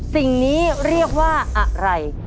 สิ่งนี้เรียกว่าอะไร